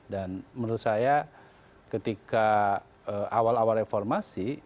dan menurut saya ketika awal awal reformasi